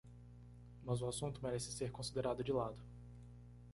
Mas o assunto merece ser considerado de lado.